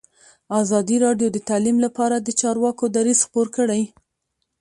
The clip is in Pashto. ازادي راډیو د تعلیم لپاره د چارواکو دریځ خپور کړی.